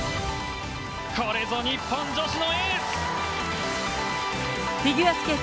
これぞ日本女子のエース！